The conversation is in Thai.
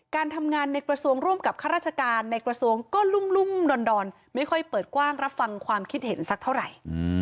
การทำงานในกระทรวงร่วมกับข้าราชการในกระทรวงก็ลุ่มดอนไม่ค่อยเปิดกว้างรับฟังความคิดเห็นสักเท่าไหร่